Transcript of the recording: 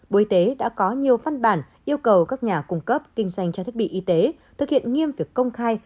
bộ y tế đã có nhiều văn bản yêu cầu các nhà cung cấp kinh doanh trang thiết bị y tế thực hiện nghiêm việc công khai